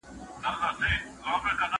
صدقه بلاګانې لیرې کوي.